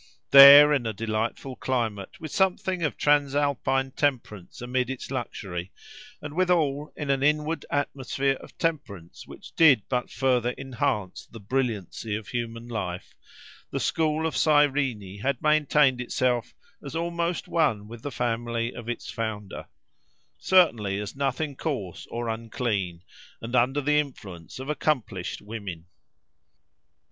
There, in a delightful climate, with something of transalpine temperance amid its luxury, and withal in an inward atmosphere of temperance which did but further enhance the brilliancy of human life, the school of Cyrene had maintained itself as almost one with the family of its founder; certainly as nothing coarse or unclean, and under the influence of accomplished women.